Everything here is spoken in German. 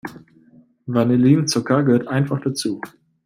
Vanillinzucker gehört einfach dazu.